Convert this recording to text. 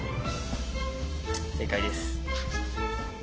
正解です。